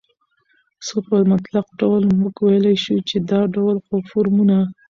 خو په مطلق ډول موږ وويلى شو، چې دا ډول فورمونه